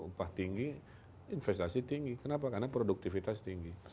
upah tinggi investasi tinggi kenapa karena produktivitas tinggi